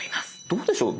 どうでしょう？